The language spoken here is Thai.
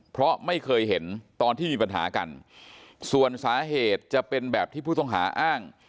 เพราะไม่เคยเห็นตอนที่มีปัญหากันส่วนสาเหตุจะเป็นแบบที่ผู้ต้องหาอ้าง